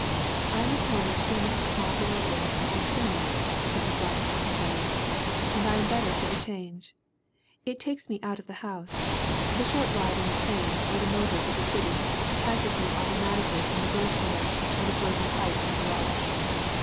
"I am at home as soon as the small boy is, or sooner," Mrs. Rinehart pro claims. "And I am better for the change. It takes me out of the house. The short ride in the train or the motor to the city detaches me automatically from the grocery list and a frozen pipe in the garage.